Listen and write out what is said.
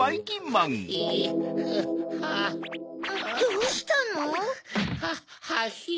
どうしたの？ハヒ。